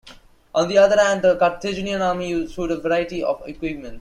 On the other hand, the Carthaginian army used a variety of equipment.